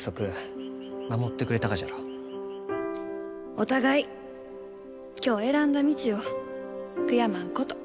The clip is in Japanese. お互い今日選んだ道を悔やまんこと。